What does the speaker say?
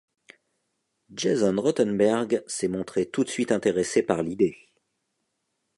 Jason Rothenberg s'est montré tout de suite intéressé par l'idée.